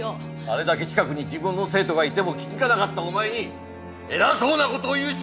あれだけ近くに自分の生徒がいても気づかなかったお前に偉そうな事を言う資格はない！